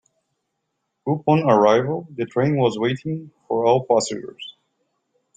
Upon arrival, the train was waiting for all passengers.